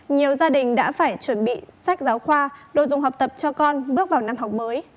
nhiều gia đình đã phải chuẩn bị sách giáo khoa đồ dùng học tập cho con bước vào năm học mới